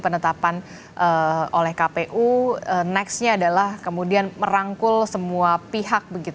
penetapan oleh kpu nextnya adalah kemudian merangkul semua pihak